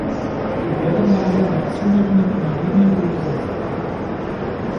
Sie werden daher nach zunehmendem Energieniveau besetzt.